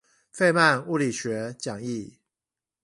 費曼物理學講義